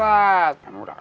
udah kaya begitu lakuannya